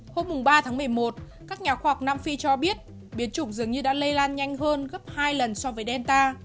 hôm ba tháng một mươi một các nhà khoa học nam phi cho biết biến chủng dường như đã lây lan nhanh hơn gấp hai lần so với delta